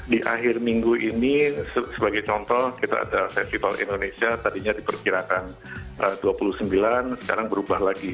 di akhir minggu ini sebagai contoh kita ada festival indonesia tadinya diperkirakan dua puluh sembilan sekarang berubah lagi